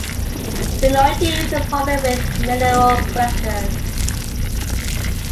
Kinoite is popular with mineral collectors.